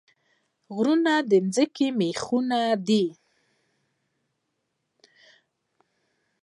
غرونه د ځمکې میخونه دي